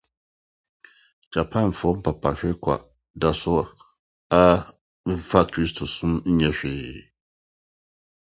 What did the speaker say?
Japanfo mpapahwekwa da so ara mfa Kristosom nyɛ hwee.